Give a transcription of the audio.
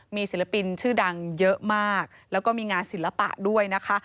มีศิลปินชื่อดังเยอะมากแล้วก็มีงานศิลปะด้วยนะคะ